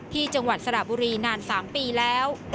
จังหวัดสระบุรีนาน๓ปีแล้ว